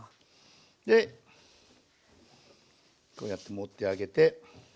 でこうやって盛ってあげて。